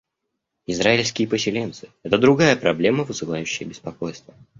Израильские поселенцы — это другая проблема, вызывающая беспокойство.